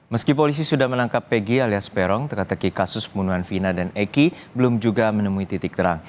meski polisi sudah menangkap pg alias peron teka teki kasus pembunuhan vina dan eki belum juga menemui titik terang